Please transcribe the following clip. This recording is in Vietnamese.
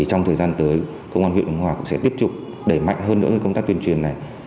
trong thời gian tới công an huyện ứng hòa cũng sẽ tiếp tục đẩy mạnh hơn nữa công tác tuyên truyền này